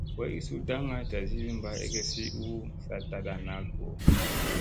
Boygi suu daŋga tasi ɓaa egesi u saɗ taɗa naa go.